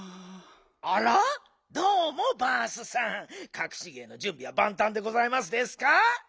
かくし芸のじゅんびはばんたんでございますですか？